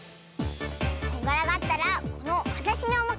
こんがらがったらこのわたしにおまかせ！